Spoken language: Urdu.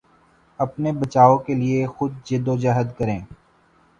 اپنے بچاؤ کے لیے خود جدوجہد کریں